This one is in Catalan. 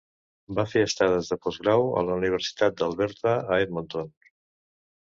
Va fer estades de postgrau a la Universitat d'Alberta a Edmonton.